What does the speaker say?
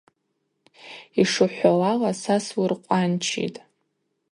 Йшухӏвауала, са суыркъванчитӏ.